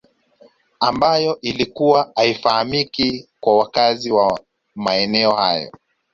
Ambayo ilikuwa haifahamiki kwa wakazi wa maeneo hayo